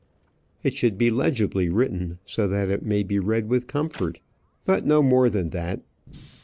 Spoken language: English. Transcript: It should be legibly written, so that it may be read with comfort; but no more than that.